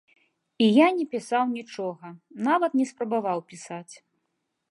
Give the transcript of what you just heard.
І я не пісаў нічога, нават не спрабаваў пісаць.